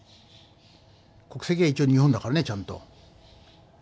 国籍は一応日本だからねちゃんと。